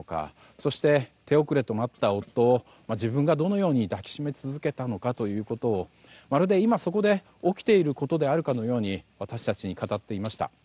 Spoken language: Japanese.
そして手遅れとなった夫を自分がどのように抱き締め続けたのかということをまるで今そこで起きていることであるかのように私たちに語っていました。